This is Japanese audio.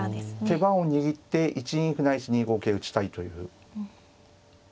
手番を握って１二歩ないし２五桂打ちたいという。